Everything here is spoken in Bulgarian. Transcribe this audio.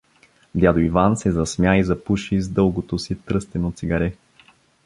Дядо Иван се засмя и запуши с дългото си тръстено цигаре.